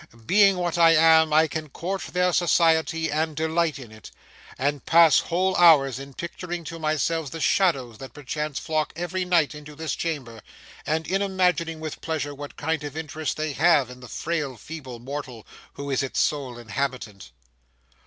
Being what I am, I can court their society, and delight in it; and pass whole hours in picturing to myself the shadows that perchance flock every night into this chamber, and in imagining with pleasure what kind of interest they have in the frail, feeble mortal who is its sole inhabitant.